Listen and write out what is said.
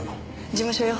事務所よ。